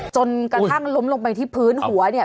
จนกระทั่งล้มลงไปที่พื้นหัวเนี่ย